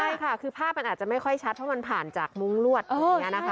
ใช่ค่ะคือภาพมันอาจจะไม่ค่อยชัดเพราะมันผ่านจากมุ้งลวดตรงนี้นะคะ